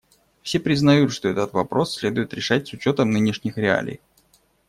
Все признают, что этот вопрос следует решать с учетом нынешних реалий.